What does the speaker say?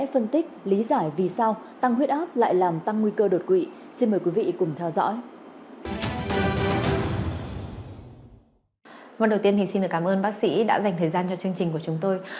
vâng đầu tiên thì xin được cảm ơn bác sĩ đã dành thời gian cho chương trình của chúng tôi